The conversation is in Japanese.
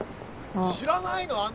知らないの？